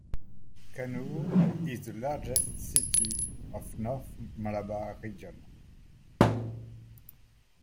Kannur is the largest city of North Malabar region.